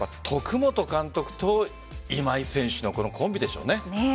徳本監督と今井選手のコンビでしょうね。